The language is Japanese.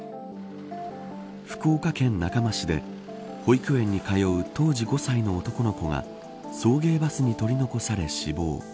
福岡県中間市で保育園に通う当時５歳の男の子が送迎バスに取り残され死亡。